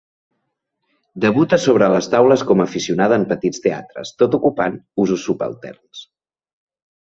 Debuta sobre les taules com a aficionada en petits teatres, tot ocupant usos subalterns.